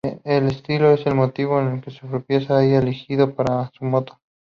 El estilo es el motivo que el propietario haya elegido para su moto.